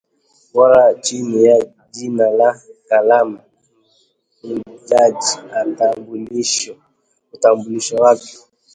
bora chini ya jina la kalamu mhujaji utambulisho wake